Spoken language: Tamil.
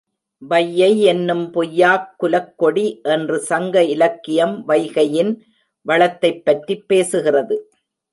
வையை யென்னும் பொய்யாக் குலக்கொடி என்று சங்க இலக்கியம் வைகையின் வளத்தைப் பற்றிப் பேசுகிறது.